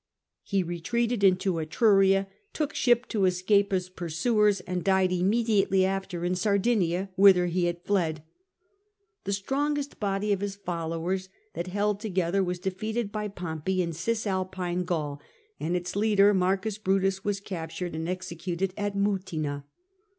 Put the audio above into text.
He retreated into Etruria, took ship to escape his pursuers, and died immediately after in Sardinia, whither he had fled. The strongest body of his followers that held together was defeated by Pompey in Cisalpine Gaul, and its leader, M. Brutus, was captured and executed at Mutina.